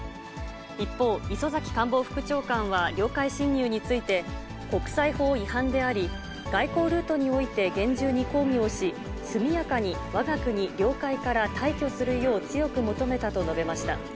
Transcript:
一方、磯崎官房副長官は領海侵入について、国際法違反であり、外交ルートにおいて、厳重に抗議をし、速やかにわが国領海から退去するよう強く求めたと述べました。